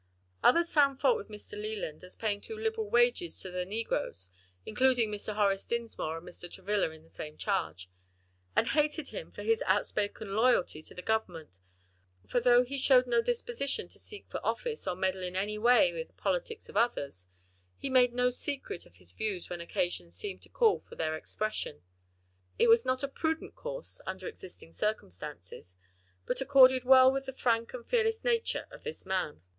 Others found fault with Mr. Leland as paying too liberal wages to the negroes (including Mr. Horace Dinsmore and Mr. Travilla in the same charge), and hated him for his outspoken loyalty to the Government; for though he showed no disposition to seek for office or meddle in any way with the politics of others, he made no secret of his views when occasion seemed to call for their expression. It was not a prudent course under existing circumstances, but accorded well with the frank and fearless nature of the man.